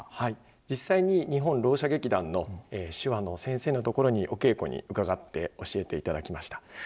実際に、日本聾者劇団の手話の先生のところにお稽古にうかがって、教えていただきました。